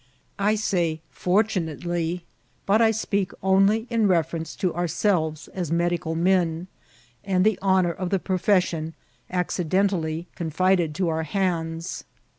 I say fortunately, but I speak only in reference to ourselves as medical men, and the honota of the pro fession accidentally confided to our hands.